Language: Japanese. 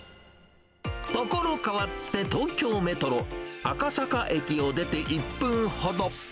所変わって、東京メトロ赤坂駅を出て、１分ほど。